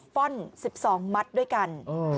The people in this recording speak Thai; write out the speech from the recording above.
๑๒ฟอนด์๑๒มัดด้วยกัน